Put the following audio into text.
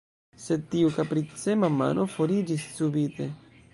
Sed tiu kapricema mano foriĝis subite.